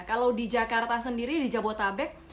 kalau di jakarta sendiri di jabodetabek